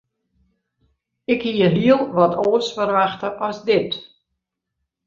Ik hie hiel wat oars ferwachte as dit.